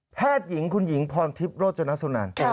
แพทย์หญิงคุณหญิงพรทิพย์โรจนสุนัน